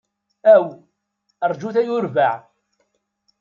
Aw, rjut ay urbaɛ!